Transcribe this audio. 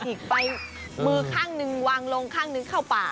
อีกไปมือข้างหนึ่งวางลงข้างนึงเข้าป่า